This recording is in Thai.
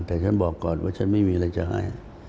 แต่ฉันบอกก่อนว่าฉันไม่มีอะไรจะให้